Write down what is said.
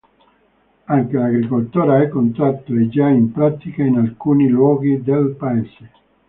Anche l'agricoltura a contratto è già in pratica in alcuni luoghi del paese.